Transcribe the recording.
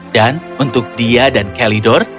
dan untuk dia dan calidor